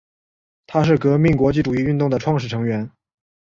它是革命国际主义运动的创始成员。